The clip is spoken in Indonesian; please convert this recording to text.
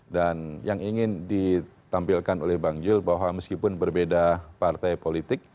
dan yang ingin ditampilkan oleh bang yul bahwa meskipun berbeda partai politik